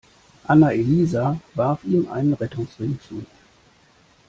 Anna-Elisa warf ihm einen Rettungsring zu.